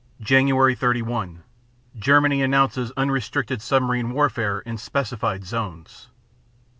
Jan. 31 Germany announces unrestricted submarine warfare in specified zones.